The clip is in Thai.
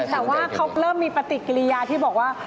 แต่ว่าเขาเริ่มมีปฏิกิริยาที่บอกว่า